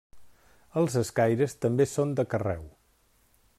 Els escaires també són de carreu.